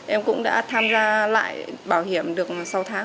em cũng đã tham gia lại bảo hiểm được sáu tháng